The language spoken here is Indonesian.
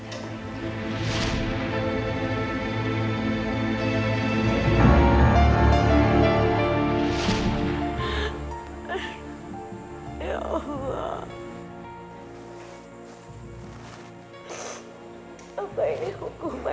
kamu tahu projeto mereka sesungguhnya